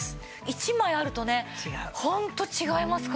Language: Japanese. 一枚あるとねホント違いますからね。